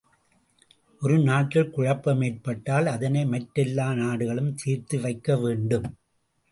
ஒரு நாட்டில் குழப்பம் ஏற்பட்டால் அதனை மற்றெல்லா நாடுகளும் தீர்த்து வைக்கவேண்டும்.